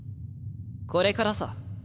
これからさ。